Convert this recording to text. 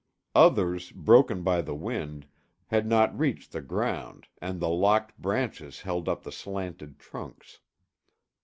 Others, broken by the wind, had not reached the ground and the locked branches held up the slanted trunks.